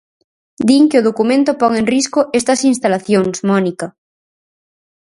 Din que o documento pon en risco estas instalacións, Mónica.